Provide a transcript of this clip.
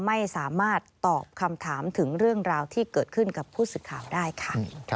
ไม่สามารถตอบคำถามถึงเรื่องราวที่เกิดขึ้นกับผู้สื่อข่าวได้ค่ะ